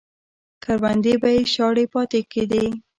کروندې به یې شاړې پاتې کېدې.